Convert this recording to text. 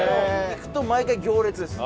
行くと毎回行列です。